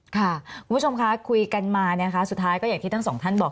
คุณผู้ชมค่ะคุยกันมานะคะสุดท้ายก็อย่างที่ทั้งสองท่านบอก